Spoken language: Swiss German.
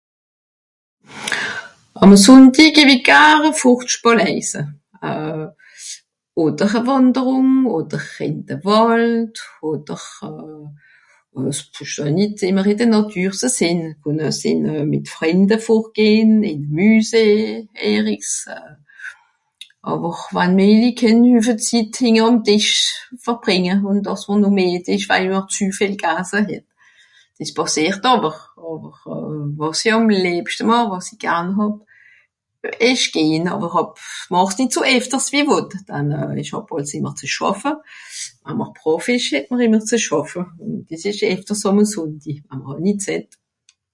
Le dimanche j'aime bien aller me promener, dans la forêt mais ça peut aussi être sortir avec des amis dans musée mais souvent on reste à table et on est fatigué car on atrop mangé Ça arrive...mais ce que j'aime c'est me promener, mais je le fais pas aussi souvent que je voudrais car j'ai beaucoup a faire